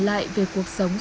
tại vì hai lần